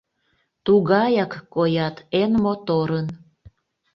Тугаяк коят эн моторын